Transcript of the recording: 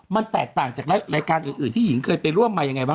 มันแตกต่างจากรายการอื่นที่หญิงเคยไปร่วมมายังไงบ้าง